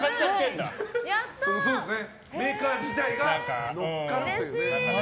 メーカー自体が乗っかるというね。